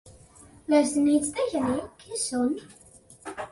Les nits de gener què són?